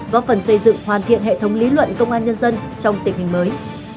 góp phần xây dựng hoàn thiện hệ thống lý luận công an nhân dân trong tình hình mới